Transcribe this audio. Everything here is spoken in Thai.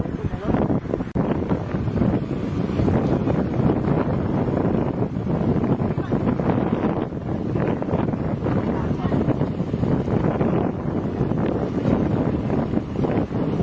โปรดติดตามตอนต่อไป